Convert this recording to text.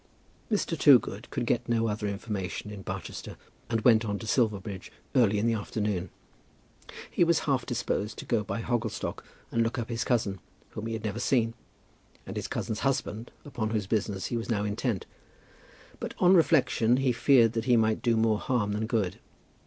Mr. Toogood could get no other information in Barchester, and went on to Silverbridge early in the afternoon. He was half disposed to go by Hogglestock and look up his cousin, whom he had never seen, and his cousin's husband, upon whose business he was now intent; but on reflection he feared that he might do more harm than good.